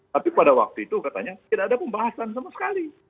tapi pada waktu itu katanya tidak ada pembahasan sama sekali